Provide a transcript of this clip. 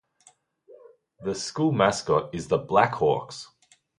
The school mascot is the Blackhawks.